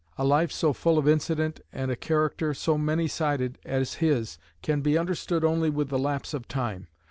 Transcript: A life so full of incident and a character so many sided as his can be understood only with the lapse of time.